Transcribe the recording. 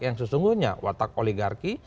yang sesungguhnya watak oligarki